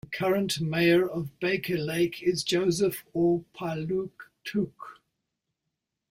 The current mayor of Baker Lake is Joseph Aupaluktuq.